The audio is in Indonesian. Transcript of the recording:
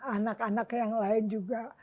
anak anak yang lain juga